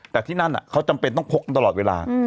แต่ที่นั่นเขาจำเป็นต้องพกกันตลอดเวลา